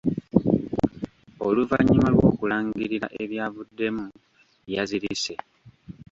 Oluvannyuma lw'okulangirira ebyavuddemu, yazirise.